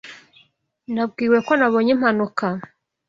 Nabwiwe ko wabonye impanuka.